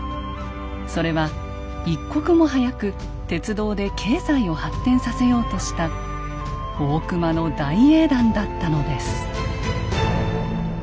それは一刻も早く鉄道で経済を発展させようとした大隈の大英断だったのです。